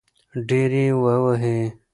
ډېر يې ووهی .